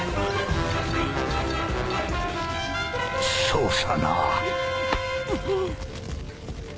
そうさな。